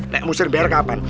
nek musir bayar kapan